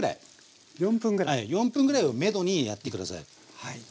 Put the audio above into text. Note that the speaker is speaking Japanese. ４分ぐらいをめどにやって下さい。